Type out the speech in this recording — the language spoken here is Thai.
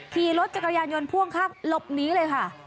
ขี่รถจักรยานยนต์พ่วงคักหลบหนีเลย